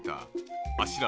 あっしら